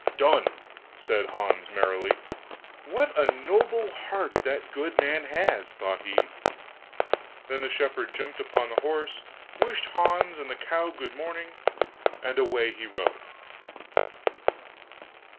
'Done!' said Hans, merrily. 'What a noble heart that good man has!' thought he. Then the shepherd jumped upon the horse, wished Hans and the cow good morning, and away he rode.